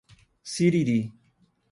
Siriri